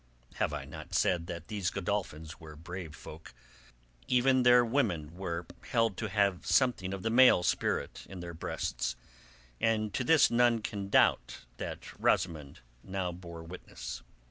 Have I not said that these Godolphins were brave folk? Even their women were held to have something of the male spirit in their breasts; and to this none can doubt that Rosamund now bore witness.